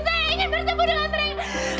saya ingin bertemu dengan train